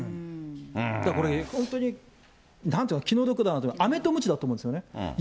だからこれ、本当になんていうか、気の毒なのは、あめとむちだと思うんですよね。